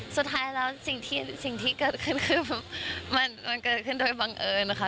สุดท้ายแล้วสิ่งที่เกิดขึ้นคือมันเกิดขึ้นโดยบังเอิญนะคะ